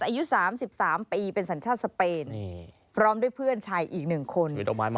อายุ๓๓ปีเป็นสัญชาติสเปนพร้อมด้วยเพื่อนชายอีก๑คน